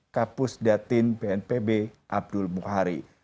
kapus datin bnpb abdul mukhari